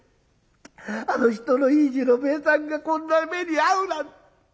あの人のいい次郎兵衛さんがこんな目に遭うなんて。